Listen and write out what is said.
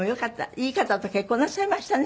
いい方と結婚なさいましたね。